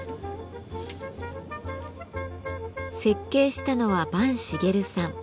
設計したのは坂茂さん。